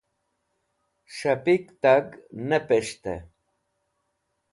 s̃hapik tag ne pes̃ht'ey